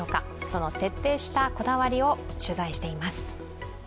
その徹底したこだわりを取材しています。